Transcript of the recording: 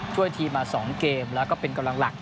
ช่วยทีมมา๒เกมแล้วก็เป็นกำลังหลัก